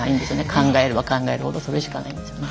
考えれば考えるほどそれしかないんですよね。